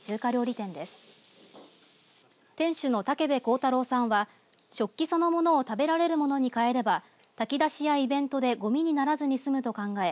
店主の武部孝太郎さんは食器そのものを食べるものに変えれば炊き出しやイベントでごみにならずにすむと考え